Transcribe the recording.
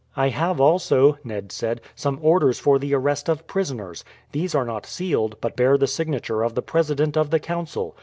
"I have also," Ned said, "some orders for the arrest of prisoners. These are not sealed, but bear the signature of the president of the council.